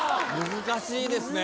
難しいですね。